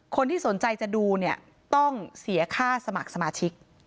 คนที่สนใจจะดูเนี่ยต้องเสียค่าสมัครสมาชิก